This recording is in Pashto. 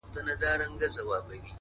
o وركه يې كړه؛